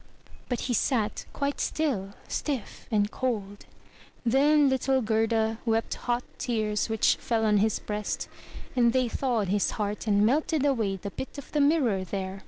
But he sat quite still, stiff and cold. Then little Gerda wept hot tears which fell on his breast, and they thawed his heart and melted away the bit of the mirror there.